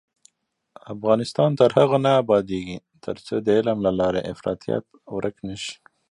افغانستان تر هغو نه ابادیږي، ترڅو د علم له لارې افراطیت ورک نشي.